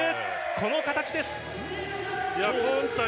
この形です。